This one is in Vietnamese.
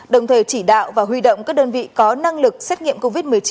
đồng thời chỉ đạo và huy động các đơn vị có năng lực xét nghiệm covid một mươi chín